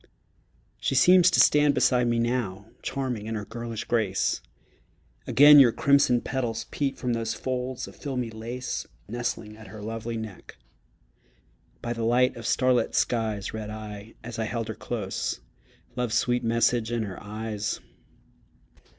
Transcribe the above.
She seems to stand beside me now, Charming in her girlish grace; Again your crimson petals peep From those folds of filmy lace Nestling at her lovely neck. By the light of starlit skies Read I, as I held her close, Love's sweet message in her eyes.